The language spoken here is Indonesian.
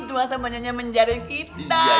tuhan sama nyonya menjaruhin kita